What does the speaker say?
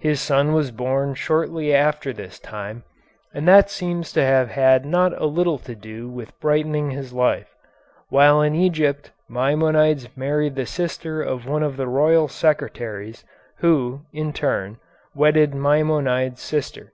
His son was born shortly after this time, and that seems to have had not a little to do with brightening his life. While in Egypt Maimonides married the sister of one of the royal secretaries, who, in turn, wedded Maimonides' sister.